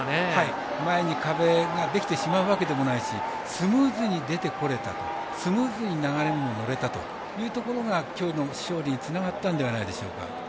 前に壁ができてしまうわけでもないしスムーズに出てこれたとスムーズに流れに乗れたというところが今日の勝利につながったんじゃないでしょうか。